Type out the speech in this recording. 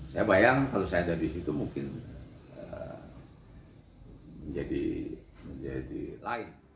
saya bayang kalau saya ada di situ mungkin menjadi lain